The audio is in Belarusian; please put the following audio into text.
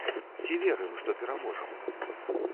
Ці верым, што пераможам?